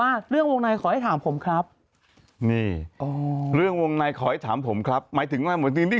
อะไรแสดงว่าเป็นสาวสิหน่อย